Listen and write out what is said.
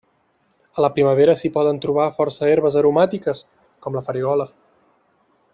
A la primavera s'hi poden trobar força herbes aromàtiques com la farigola.